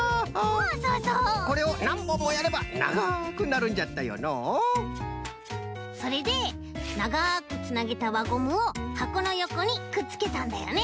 おおそうそうこれをなんぼんもやればながくなるんじゃったよのうそれでながくつなげたわゴムをはこのよこにくっつけたんだよね